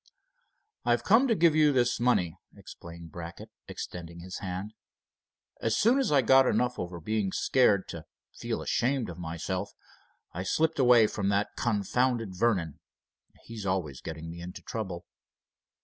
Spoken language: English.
"I've come to give you this money," explained Brackett, extending his hand. "As soon as I got enough over being scared to feel ashamed of myself, I slipped away from that confounded Vernon. He's always getting me into trouble."